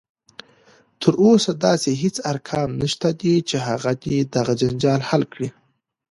تر اوسه داسې هیڅ ارقام نشته دی چې هغه دې دغه جنجال حل کړي